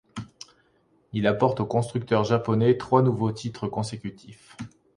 Il apporte au constructeur japonais trois nouveaux titres consécutifs.